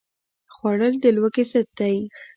خوړل د لوږې ضد دی